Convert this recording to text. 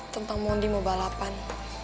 tentang mondi mau balapan